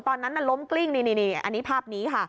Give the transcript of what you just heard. ตอนนั้นน่ะล้มกลิ้งนี่อันนี้ภาพนี้ค่ะ